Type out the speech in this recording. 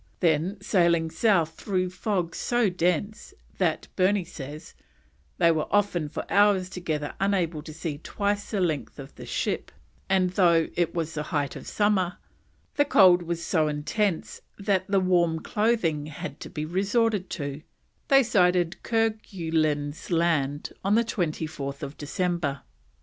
Then sailing south through fog so dense that, Burney says, they were often for hours together unable to see twice the length of the ship, and, though it was the height of summer, the cold was so intense that the warm clothing had to be resorted to, they sighted Kerguelen's Land on 24th December.